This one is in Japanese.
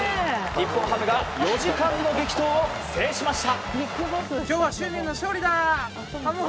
日本ハムが４時間の激闘を制しました。